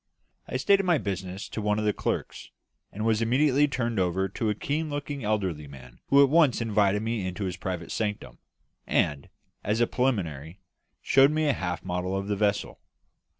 I stated my business to one of the clerks, and was immediately turned over to a keen looking elderly man who at once invited me into his private sanctum, and, as a preliminary, showed me a half model of the vessel.